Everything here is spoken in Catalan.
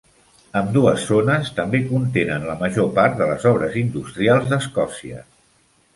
Ambdues zones també contenen la major part de les obres industrials d'Escòcia.